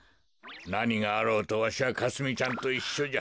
なにがあろうとわしはかすみちゃんといっしょじゃ。